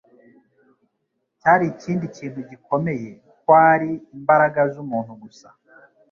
cyari ikindi kintu gikomeye kuari imbaraga z'umuntu gusa.